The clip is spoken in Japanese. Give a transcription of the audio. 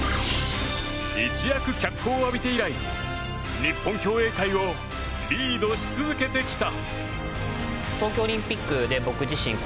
一躍、脚光を浴びて以来日本競泳界をリードし続けてきた。